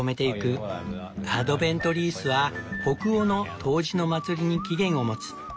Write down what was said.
アドベントリースは北欧の冬至の祭りに起源を持つ。